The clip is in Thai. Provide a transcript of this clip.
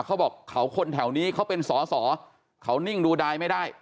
เขาบอกเขาคนแถวนี้เขาเป็นสอสอเขานิ่งดูดายไม่ได้